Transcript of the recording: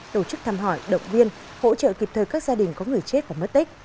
tổ chức thăm hỏi động viên hỗ trợ kịp thời các gia đình có người chết và mất tích